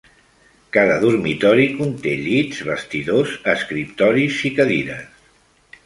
Cada dormitori conté llits, vestidors, escriptoris i cadires.